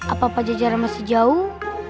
apa pajajara masih jauh